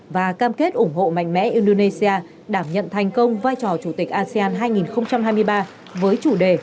và cam kết ủng hộ mạnh mẽ indonesia đảm nhận thành công vai trò chủ tịch asean hai nghìn hai mươi ba với chủ đề